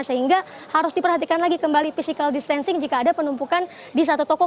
sehingga harus diperhatikan lagi kembali physical distancing jika ada penumpukan di satu toko